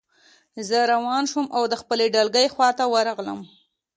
زه روان شوم او د خپلې ډلګۍ خواته ورغلم